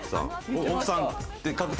奥さん。